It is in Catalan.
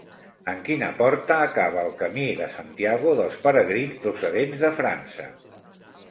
En quina porta acaba el Camí de Santiago dels peregrins procedents de França?